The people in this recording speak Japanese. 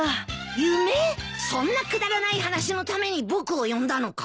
そんなくだらない話のために僕を呼んだのか？